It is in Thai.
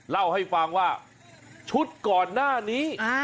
เล่าให้ฟังว่าชุดก่อนหน้านี้